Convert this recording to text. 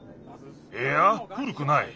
いやふるくない。